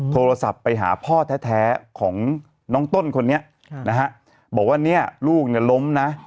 โทรศัพท์ไปหาพ่อแท้ของน้องต้นคนนี้นะฮะบอกว่าเนี่ยลูกเนี่ยล้มนะ